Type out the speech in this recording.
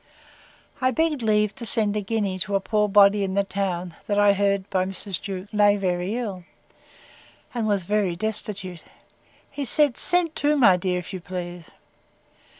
I begged leave to send a guinea to a poor body in the town, that I heard, by Mrs. Jewkes, lay very ill, and was very destitute. He said, Send two, my dear, if you please.